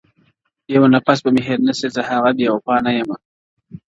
یو نفس به مي هېر نه سي زه هغه بې وفا نه یم،